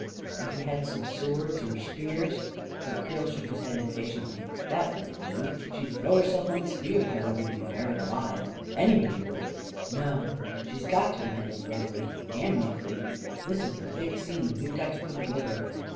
44 If we had some swords or spears ..." But Creel shook his head impatiently. 44 That wouldn't do. She'd throw herself on the spears rather than be buried alive. Anybody would 1 No — she's got to be handled roughly — damn roughly! This is the big scene, and we've got to put it over.